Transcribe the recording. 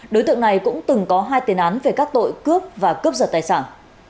đối tượng này cũng từng có hai tiền án về các tội cướp và cướp giật tài sản